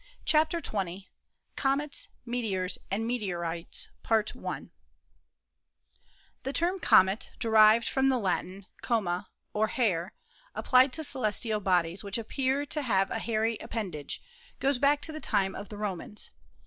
CHAPTER XX COMETS, METEORS AND METEORITES The term "comet," derived from the Latin, coma, or hair, applied to celestial bodies which appear to have a hairy appendage, goes back to the time of the Romans.